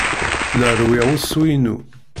La rewwiɣ usu-inu.